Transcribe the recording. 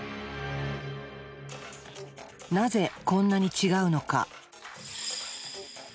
なぜこんなに違うのか？